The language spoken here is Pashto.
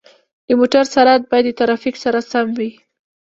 د موټر سرعت باید د ترافیک سره سم وي.